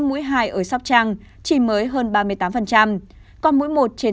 mũi hai ở sóc trăng chỉ mới hơn ba mươi tám còn mũi một trên tám mươi chín